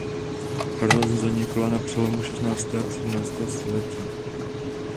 Farnost zanikla na přelomu šestnáctého a sedmnáctého století.